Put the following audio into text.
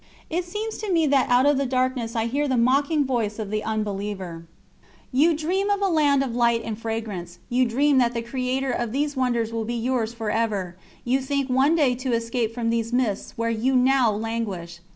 It seems to me that out of the darkness I hear the mocking voice of the unbeliever: "You dream of a land of light and fragrance, you dream that the Creator of these wonders will be yours for ever, you think one day to escape from these mists where you now languish.